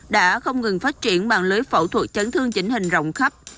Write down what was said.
đã không ngừng phát triển mạng lưới phẫu thuật chấn thương chỉnh hình rộng khắp